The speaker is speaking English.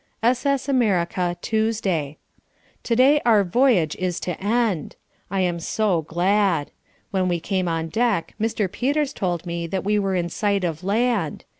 S.S. America. Tuesday To day our voyage is to end. I am so glad. When we came on deck Mr. Peters told me that we were in sight of land.